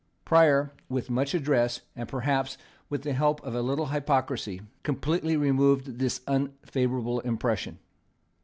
Prior, with much address, and perhaps with the help of a little hypocrisy, completely removed this unfavourable impression.